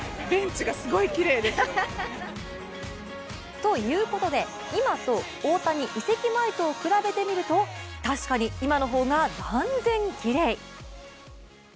ということで、今と大谷移籍前とを比べてみると確かに今の方が断然きれい。